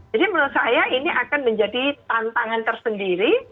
jadi menurut saya ini akan menjadi tantangan tersendiri